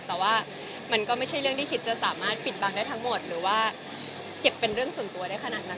แต่ว่ามันก็ไม่ใช่เรื่องที่คิดจะสามารถปิดบังได้ทั้งหมดหรือว่าเก็บเป็นเรื่องส่วนตัวได้ขนาดนั้น